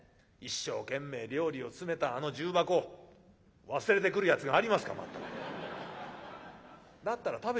一生懸命料理を詰めたあの重箱忘れてくるやつがありますかまったく。